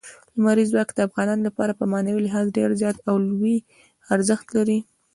لمریز ځواک د افغانانو لپاره په معنوي لحاظ ډېر زیات او لوی ارزښت لري.